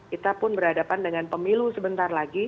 kita pun berhadapan dengan pemilu sebentar lagi